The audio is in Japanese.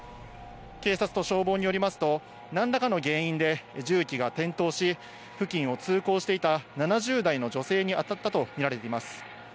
警察と消防によりますと、なんらかの原因で重機が転倒し、付近を通行していた７０代の女性に当たったと見られています。